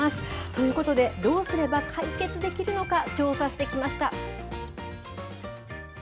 ということで、どうすれば解決できるのか、調査してきました。